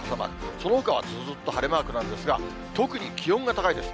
そのほかはずっと晴れマークなんですが、特に気温が高いです。